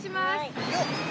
よっ。